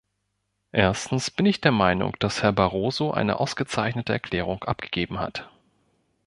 Erstens bin ich der Meinung, dass Herr Barroso eine ausgezeichnete Erklärung abgegeben hat.